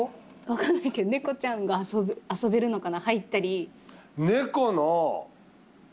分かんないけど猫ちゃんが遊べるのかな入ったり。